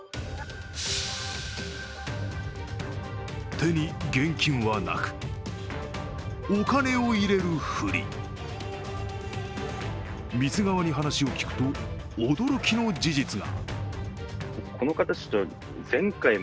手に現金はなく、お金を入れるふり店側に話を聞くと、驚きの事実が。